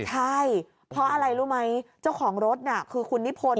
ใช่เพราะอะไรรู้ไหมเจ้าของรถน่ะคือคุณนิพนธ